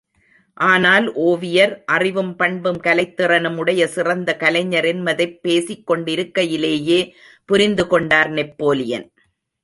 ஆனால் ஒவியர் அறிவும், பண்பும், கலைத்திறனும் உடைய சிறந்த கலைஞர் என்பதைப் பேசிக் கொண்டிருக்கையிலேயே புரிந்து கொண்டார் நெப்போலியன்.